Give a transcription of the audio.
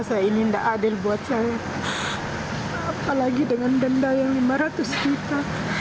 saya ini tidak adil buat saya apalagi dengan denda yang lima ratus juta